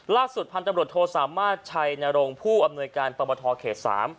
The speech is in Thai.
ล่าสุดพันธุ์ตำรวจโทษสามารถใช้ในโรงผู้อำนวยการประมาทธอเขต๓